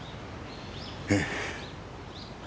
ええ。